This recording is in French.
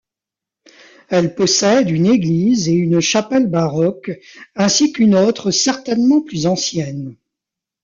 Elle possède une église et une chapelle baroques, ainsi qu'une autre certainement plus ancienne.